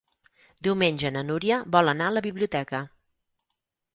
Diumenge na Núria vol anar a la biblioteca.